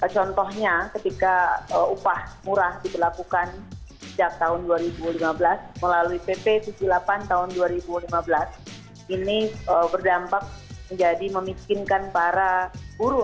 contohnya ketika upah murah diberlakukan sejak tahun dua ribu lima belas melalui pp tujuh puluh delapan tahun dua ribu lima belas ini berdampak menjadi memiskinkan para buruh